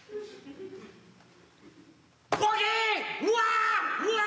うわ！